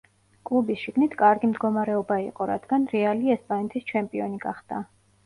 კლუბის შიგნით კარგი მდგომარეობა იყო, რადგან „რეალი“ ესპანეთის ჩემპიონი გახდა.